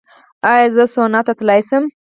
ایا زه سونا ته تلی شم؟